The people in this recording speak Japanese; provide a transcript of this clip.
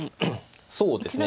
そうですね。